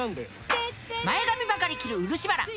前髪ばかり切る漆原。